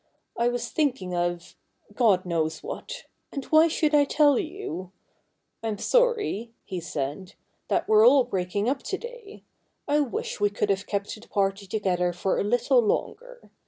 I was thinking of — God knows what ; and why should I tell you ? Lm sorry,' he said, ' that we're all breaking up to day. I wish we could have kept the party together for a little longer.